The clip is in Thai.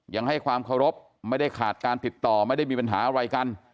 ยังให้ความเคารพไม่ได้ขาดการติดต่อไม่ได้มีปัญหาอะไรกัน